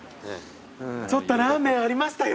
ちょっとラーメンありましたよ。